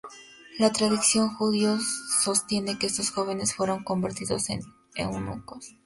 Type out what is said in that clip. La tradición judía sostiene que estos jóvenes fueron convertidos en eunucos.